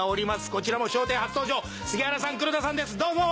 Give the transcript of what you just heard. こちらも『笑点』初登場杉原さん黒田さんですどうぞ！